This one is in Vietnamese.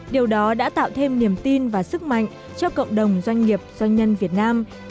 điều đó đã tạo thêm niềm tin và sức mạnh cho cộng đồng doanh nghiệp doanh nhân việt nam